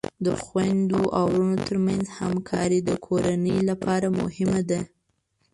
د خویندو او ورونو ترمنځ همکاری د کورنۍ لپاره مهمه ده.